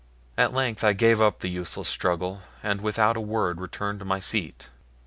At length I gave up the useless struggle, and without a word returned to my seat.